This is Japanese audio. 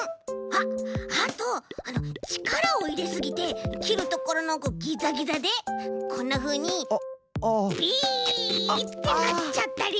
あっあとちからをいれすぎてきるところのギザギザでこんなふうにビッてなっちゃったり！